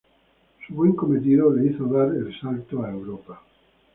Su buen cometido le hizo dar el salto a Europa.